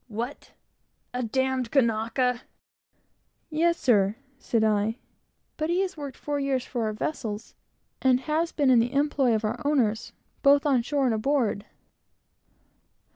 "What? a d d Kanaka?" "Yes, sir," said I; "but he has worked four years for our vessels, and has been in the employ of our owners, both on shore and aboard."